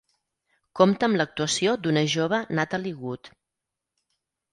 Compta amb l'actuació d'una jove Natalie Wood.